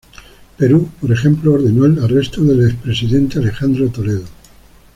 Perú, por ejemplo, ordenó el arresto del expresidente Alejandro Toledo.